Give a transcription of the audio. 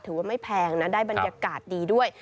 ถือว่าไม่แพงนะได้บรรยากาศดีด้วย